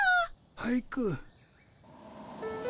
俳句？